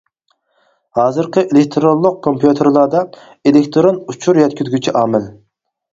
ھازىرقى ئېلېكتىرونلۇق كومپيۇتېرلاردا ئېلېكتىرون ئۇچۇر يەتكۈزگۈچى ئامىل.